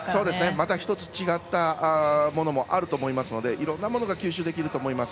またひとつ違ったものもあると思いますのでいろんなものが吸収できると思います。